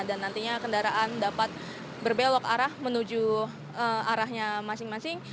dan nantinya kendaraan dapat berbelok arah menuju arahnya masing masing